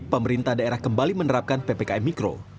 pemerintah daerah kembali menerapkan ppkm mikro